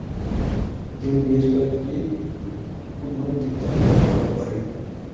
তিনি বেশ কয়েকটি কূটনৈতিক দায়িত্ব পালন করেন।